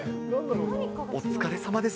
お疲れさまです。